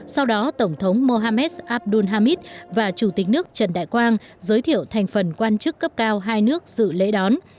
sau đó tổng thống mohammed abdul hamid và chủ tịch nước trần đại quang giới thiệu thành phần quan chức cấp cao hai nước dự lễ đón